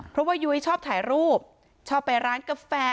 เพราะว่ายุ้ยชอบถ่ายรูปชอบไปร้านกาแฟ